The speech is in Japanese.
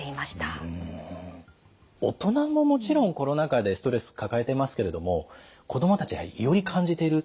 大人ももちろんコロナ禍でストレス抱えてますけれども子どもたちはより感じている。